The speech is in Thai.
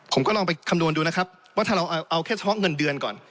ผมก็ลองไปคำนวณดูนะครับว่าถ้าเราเอาแค่เฉพาะเงินเดือนก่อน